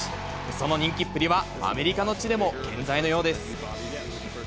その人気っぷりはアメリカの地でも健在のようです。